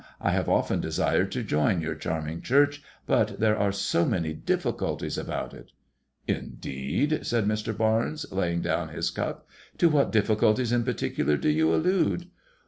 I have often desired to join your charm ing Church ; but there are so many difficulties about it." " Indeed I " said Mr. Barnes, H<^ MADBMOISXLLI DUL 55 laying down his cup. " To what difiBiculties in particular do you allude